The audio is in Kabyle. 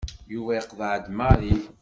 Yuba yeqḍeɛ-d Mary.